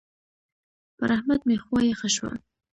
پر احمد مې خوا يخه شوه.